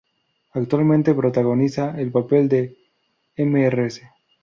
Actualmente protagoniza el papel de "Mrs.